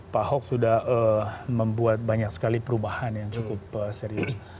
pak ahok sudah membuat banyak sekali perubahan yang cukup serius